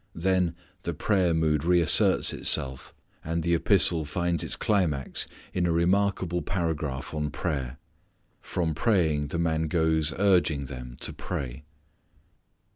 Then the prayer mood reasserts itself, and the epistle finds its climax in a remarkable paragraph on prayer. From praying the man goes urging them to pray.